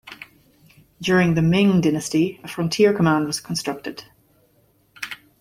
During the Ming Dynasty, a frontier command was constructed.